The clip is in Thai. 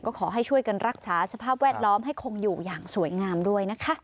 ก็ขอให้ช่วยกันรักษาสภาพแวดล้อมให้คงอยู่อย่างสวยงามด้วยนะคะ